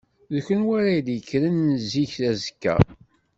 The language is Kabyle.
D kunwi ara d-yekkren zik azekka.